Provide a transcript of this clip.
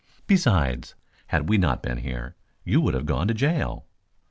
Besides, had we not been here, you would have gone to jail.